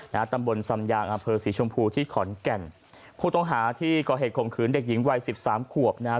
ตำบลสำยางอำเภอศรีชมพูที่ขอนแก่นผู้ต้องหาที่ก่อเหตุข่มขืนเด็กหญิงวัยสิบสามขวบนะฮะ